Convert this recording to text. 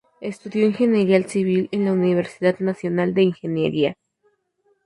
Estudió ingeniería civil en la Universidad Nacional de Ingeniería.